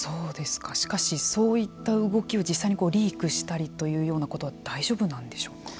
しかしそういった動きを実際にリークしたりというようなことは大丈夫なんでしょうか。